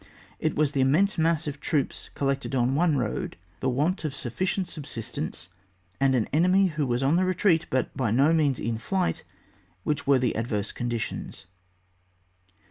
It was the immense mass of troops collected on one road, the want of suf ficient subsistence, and an enemy who was on the retreat, but by no means in flighty which were the adverse conditions.